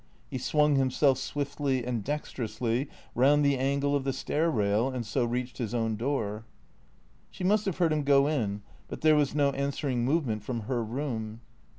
He swung himself swiftly and dexterously round the angle of the stair rail, and so reached his own door. She must have heard him go in, but there was no answering movement from her room.